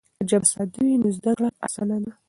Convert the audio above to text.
که ژبه ساده وي نو زده کړه اسانه ده.